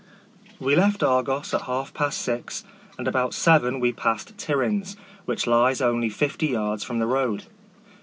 We left Argos at half past six, and about seven we passed Tiryns, which lies only fifty yards from the road.